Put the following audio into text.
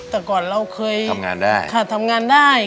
แต่ก่อนเราเคยทำงานได้